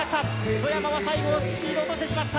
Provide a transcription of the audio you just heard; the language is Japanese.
外山は最後スピードを落としてしまった。